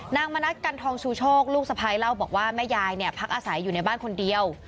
มณัฐกันทองชูโชคลูกสะพ้ายเล่าบอกว่าแม่ยายเนี่ยพักอาศัยอยู่ในบ้านคนเดียว